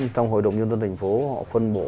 trong hội đồng nhân dân thành phố họ phân bổ